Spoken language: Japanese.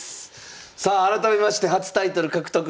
さあ改めまして初タイトル獲得